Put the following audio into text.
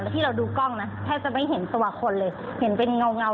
ที่เราดูกล้องนะแทบจะไม่เห็นตัวคนเลยเห็นเป็นเงา